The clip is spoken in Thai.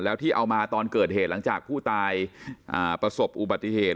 แล้วที่เอามาตอนเกิดเหตุหลังจากผู้ตายประสบอุบัติเหตุ